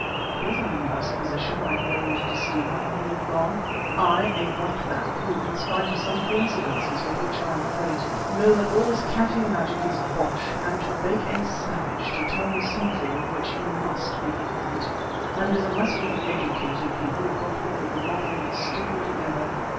"Here's a nice position," I groaned to Stephen when he had gone. "I, a white man, who, in spite of some coincidences with which I am acquainted, know that all this Kaffir magic is bosh am to beg a savage to tell me something of which he must be ignorant. That is, unless we educated people have got hold of the wrong end of the stick altogether.